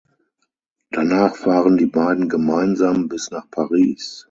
Danach fahren die beiden gemeinsam bis nach Paris.